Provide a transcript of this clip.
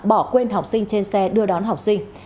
bỏ quên học sinh trên xe đưa đón học sinh